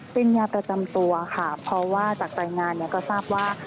เป็นยาประจำตัวค่ะเพราะว่าจากรายงานเนี่ยก็ทราบว่า